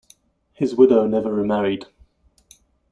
His widow never remarried.